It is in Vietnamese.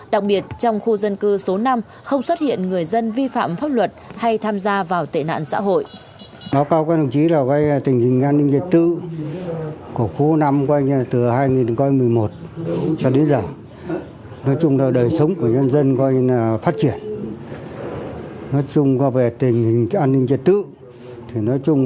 đặc biệt trong khu dân cư số năm không xuất hiện người dân vi phạm pháp luật hay tham gia vào tệ nạn xã hội